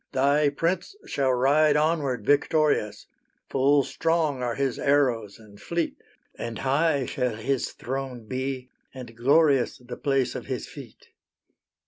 Thy Prince shall ride onward victorious; Full strong are his arrows and fleet; And high shall His throne be, and glorious The place of His feet!